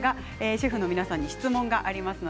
シェフの皆さんに質問があります。